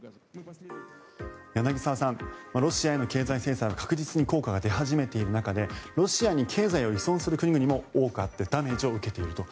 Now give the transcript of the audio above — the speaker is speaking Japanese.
柳澤さん、ロシアへの経済制裁が確実に効果が出始めている中でロシアに経済を依存する国々も多くあってダメージを受けていると。